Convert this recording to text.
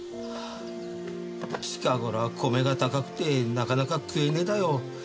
近頃は米が高くてなかなか食えねえだよ。